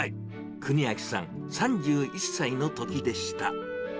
邦昭さん３１歳のときでした。